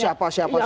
siapa siapa siapa